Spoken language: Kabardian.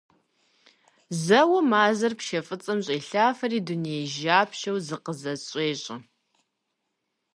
Зэуэ мазэр пшэ фӀыцӀэм щӀелъафэри, дунейм жьапщаеу зыкъызэщӀещӀэ.